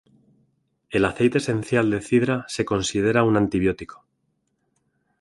El aceite esencial de cidra se considera un antibiótico.